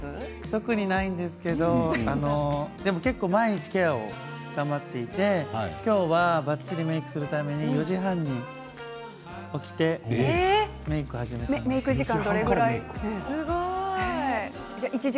特にないんですけどでも毎日ケアを頑張っていて今日はばっちりメークするために４時半に起きてメークを始めました。